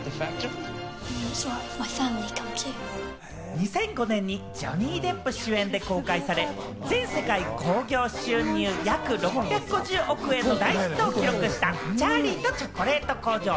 ２００５年にジョニー・デップ主演で公開され、全世界興行収入、約６５０億円の大ヒットを記録した『チャーリーとチョコレート工場』。